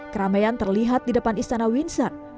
keramaian terlihat di depan istana windsor